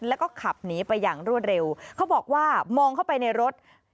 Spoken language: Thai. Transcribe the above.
แล้วก็ขับหนีไปอย่างรวดเร็วเขาบอกว่ามองเข้าไปในรถ